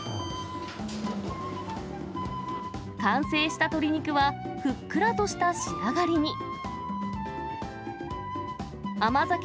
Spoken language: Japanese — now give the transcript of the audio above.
完成した鶏肉は、ふっくらとした仕上がりに。